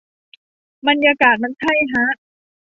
บรรยากาศมันใช่ฮะ